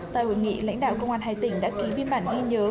tại hội nghị lãnh đạo công an hai tỉnh đã ký biên bản ghi nhớ